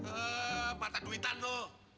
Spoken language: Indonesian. eh mata duitan tuh